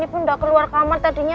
ibu enggak keluar kamar tadinya